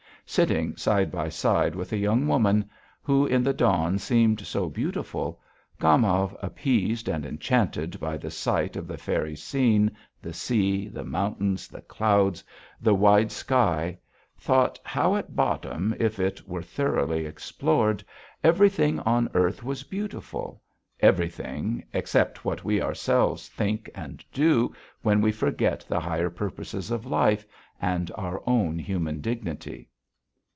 Sitting side by side with a young woman, who in the dawn seemed so beautiful, Gomov, appeased and enchanted by the sight of the fairy scene, the sea, the mountains, the clouds, the wide sky, thought how at bottom, if it were thoroughly explored, everything on earth was beautiful, everything, except what we ourselves think and do when we forget the higher purposes of life and our own human dignity.